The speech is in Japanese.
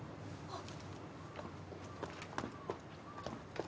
あっ！